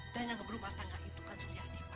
dan yang berumah tangga itu kan suriani